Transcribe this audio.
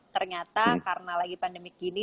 ternyata karena lagi pandemi gini